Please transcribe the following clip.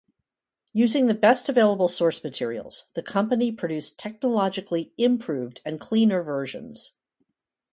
Using the best available source materials, the company produced technologically improved and cleaner versions.